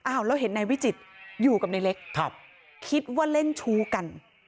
แล้วเห็นนายวิจิตรอยู่กับนายเล็กคิดว่าเล่นชู้กัน